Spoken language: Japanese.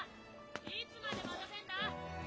いつまで待たせんだ。